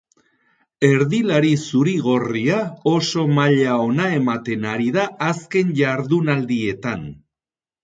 Erdilari zuri-gorria oso maila ona ematen ari da azken jardunaldietan.